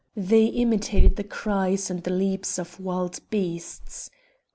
They imitated the cries and the leaps of wild beasts.